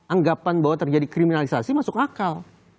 anggapan bahwa terjadi kriminalisasi masuk akal